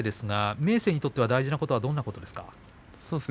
明生にとって大事なのはどんなことですか。